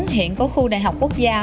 hiện có khu đại học quốc gia